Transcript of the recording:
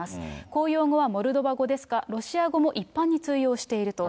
公用語はモルドバ語ですが、ロシア語も一般に通用していると。